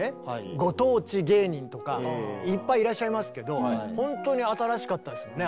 ご当地芸人とかいっぱいいらっしゃいますけど本当に新しかったですもんね。